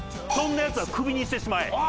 そんなヤツはクビにしてしまえ。